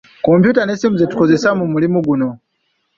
Kompyuta n'essimu ze tukozesa mu mulimu guno.